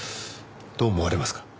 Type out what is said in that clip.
どう思われますか？